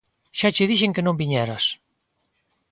Xa che dixen que non viñeras.